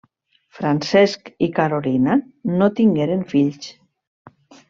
Francesc i Carolina no tingueren fills.